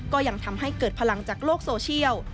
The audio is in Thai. ก็ยังทำให้เกิดพลังจากโลกโซเชียล